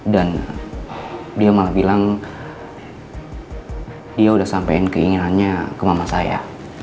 dan dia malah bilang dia udah sampein keinginannya ke mama saya